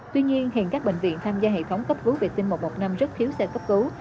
tuy nhiên hiện các bệnh viện tham gia hệ thống cấp cứu vệ tinh một trăm một mươi năm rất thiếu xe cấp cứu